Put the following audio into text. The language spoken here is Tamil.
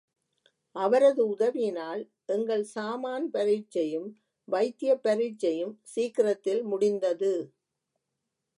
அவரது உதவியினால் எங்கள் சாமான் பரீட்சையும், வைத்தியப் பரீட்சையும் சீக்கிரத்தில் முடிந்தது.